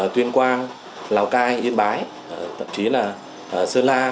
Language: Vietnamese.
tuyên quang lào cai yên bái thậm chí là sơn la